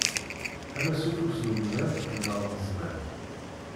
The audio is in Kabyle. Ama s ufus n umdan neɣ n zzman.